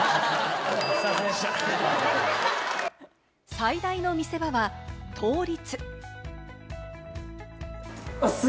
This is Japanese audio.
最大の見せ場は倒立。